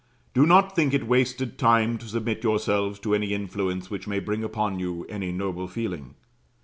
Do not think it wasted time to submit yourselves to any influence which may bring upon you any noble feeling.